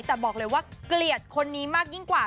แต่บอกเลยว่าเกลียดคนนี้มากยิ่งกว่า